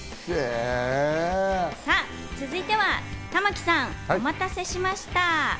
さぁ、続いては玉木さん、お待たせしました。